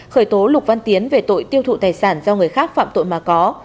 khởi tố lục văn tiến về tội tiêu thụ tài sản do người khác phạm tội mà có